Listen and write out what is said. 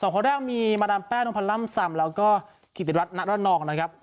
๒คนแรกมีมาดามแป้นมพันธ์ล้ำสำแล้วก็ขิตรัฐนักรัฐนอกนะครับ